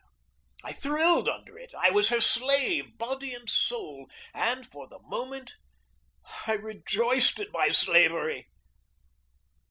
I thrilled under it. I was her slave, body and soul, and for the moment I rejoiced in my slavery.